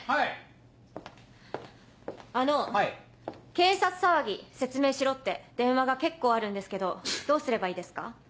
警察騒ぎ説明しろって電話が結構あるんですけどどうすればいいですか？